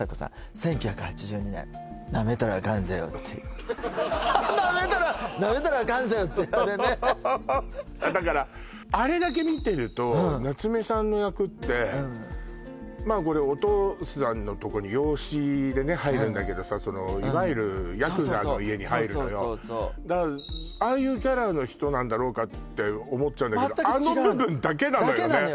１９８２年っていうなめたらなめたらいかんぜよっていうあれねだからあれだけ見てると夏目さんの役ってまあこれお父さんのとこに養子でね入るんだけどさそのいわゆるヤクザの家に入るのよああいうキャラの人なんだろうかって思っちゃうんだけど全く違うのよだけなのよ